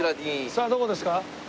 さあどこですか？